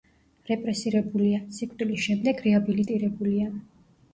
რეპრესირებულია, სიკვდილის შემდეგ რეაბილიტირებულია.